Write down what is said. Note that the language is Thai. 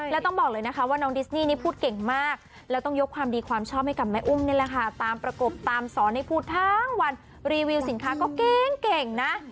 แล้วต้องบอกเลยนะคะว่าน้องดิสนี่นี่พูดเก่งมากแล้วต้องยกความดีความชอบให้กับแม่อุ้มนี่แหละค่ะตามประกบตามสอนให้พูดทั้งวันรีวิวสินค้าก็เก่งเก่งนะ